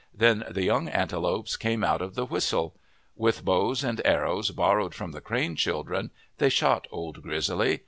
Then the young antelopes came out of the whistle. With bows and arrows borrowed from the Crane children, they shot Old Grizzly.